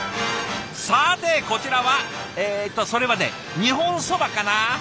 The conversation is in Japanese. さてこちらはえとそれはね日本そばかな？